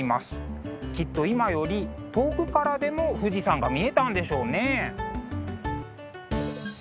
きっと今より遠くからでも富士山が見えたんでしょうね。